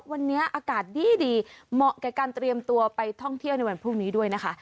วันนี้อากาศดีเหมาะกับการเตรียมตัวไปท่องเที่ยวในวันพรุ่งนี้ด้วยนะคะ